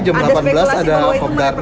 jum'at delapan belas ada obdarnas nih